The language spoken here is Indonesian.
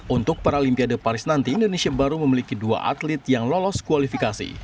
untuk paralimpiade paris nanti indonesia baru memiliki dua atlet yang lolos kualifikasi